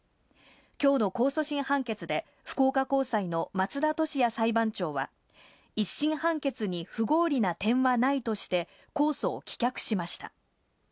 今日の控訴審判決で福岡高裁の松田俊哉裁判長は１審判決に不合理な点はないとして控訴を棄却しました。